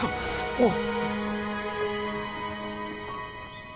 おう。